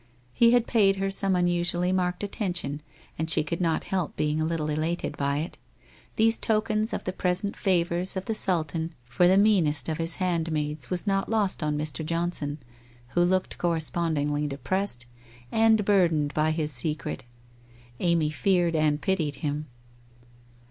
He had paid her some unusually marked attention, and she could not help being a little elated by it. These tokens of the present favour of the Sultan for the meanest of his handmaids were not lost on Mr. Johnson, who looked correspondingly depressed, and burdened by his secret. Amy feared and pitied him.